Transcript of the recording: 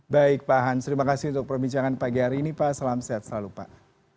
baik pak hans terima kasih untuk perbincangan pagi hari ini pak salam sehat selalu pak